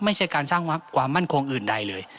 ไม่ใช่การสร้างความมั่นคงอื่นใดเลย